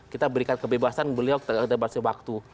kita berikan kebebasan beliau kita beri bebasnya waktu